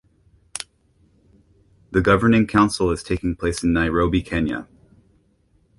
The Governing Council is taking place in Nairobi, Kenya.